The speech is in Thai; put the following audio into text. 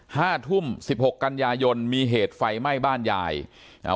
ห้าทุ่มสิบหกกันยายนมีเหตุไฟไหม้บ้านยายอ่า